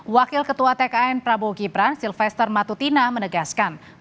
wakil ketua tkn prabowo gibran silvester matutina menegaskan